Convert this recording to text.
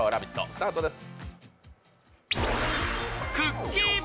スタートです。